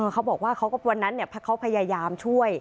เขาบอกว่าวันนั้นเขาพยายามช่วย